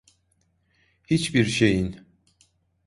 Hiçbir şeyin…